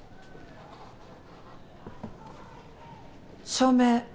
照明。